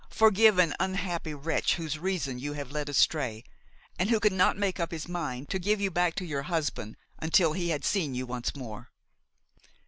forgive an unhappy wretch whose reason you have led astray, and who could not make up his mind to give you back to your husband until he had seen you once more."